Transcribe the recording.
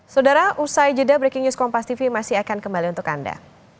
saudara usai jeda breaking news kompas tv masih akan kembali untuk anda